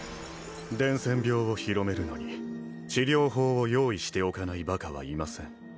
伝染病を広めるのに治療法を用意しておかないバカはいません